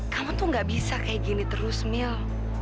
kamu tuh gak bisa kayak gini terus mel